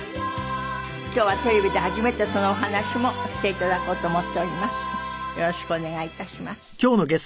今日はテレビで初めてそのお話もして頂こうと思っております。